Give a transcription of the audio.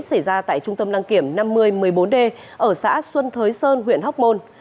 xảy ra tại trung tâm đăng kiểm năm mươi một mươi bốn d ở xã xuân thới sơn huyện hóc môn